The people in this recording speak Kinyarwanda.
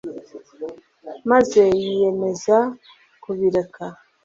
maze yiyemeza kubireka